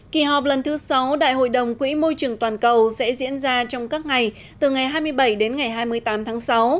kỳ họp lần thứ sáu đại hội đồng quỹ môi trường toàn cầu sẽ diễn ra trong các ngày từ ngày hai mươi bảy đến ngày hai mươi tám tháng sáu